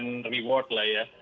dan juga diberikan reward lah ya